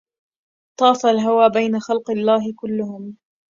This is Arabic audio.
طاف الهوى بين خلق الله كلهم